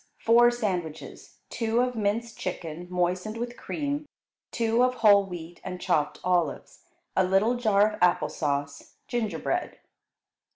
Four sandwiches, two of minced chicken moistened with cream, two of whole wheat and chopped olives; a little jar of apple sauce; gingerbread.